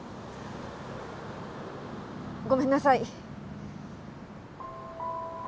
ごめんなさい。